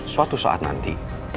suatu saat nanti